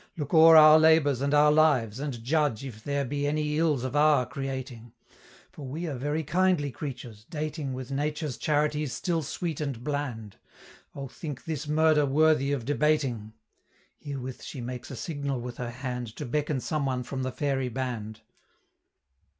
Look o'er our labors and our lives, and judge If there be any ills of our creating; For we are very kindly creatures, dating With nature's charities still sweet and bland: O think this murder worthy of debating!" Herewith she makes a signal with her hand, To beckon some one from the Fairy band.